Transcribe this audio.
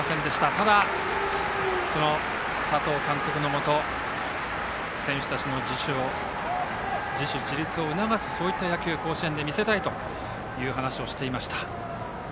ただ、佐藤監督のもと選手たちの自主自立を促すそういった野球を甲子園で見せたいと語っていました。